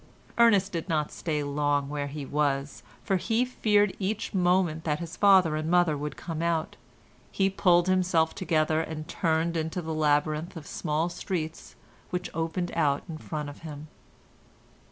Ernest did not stay long where he was, for he feared each moment that his father and mother would come out. He pulled himself together and turned into the labyrinth of small streets which opened out in front of him.